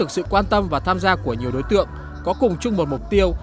sự quan tâm và tham gia của nhiều đối tượng có cùng chung một mục tiêu